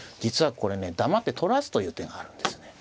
黙って取らすという手があるんですね。